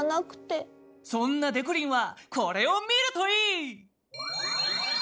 そんなでこりんはこれをみるといい！